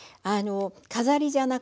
飾りじゃなくてね